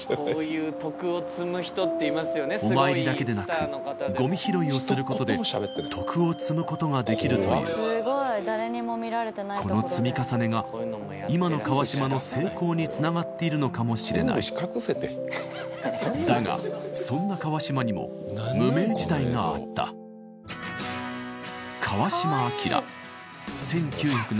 お参りだけでなくゴミ拾いをすることで徳を積むことができるというこの積み重ねが今の川島の成功につながっているのかもしれないだがそんな川島にも無名時代があったこれは本物やねん。